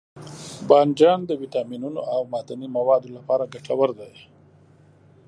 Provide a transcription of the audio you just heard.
بانجان د ویټامینونو او معدني موادو لپاره ګټور دی.